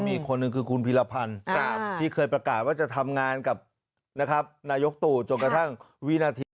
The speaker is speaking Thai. มีอีกคนนึงคือคุณพีรพันธ์ที่เคยประกาศว่าจะทำงานกับนะครับนายกตู่จนกระทั่งวินาที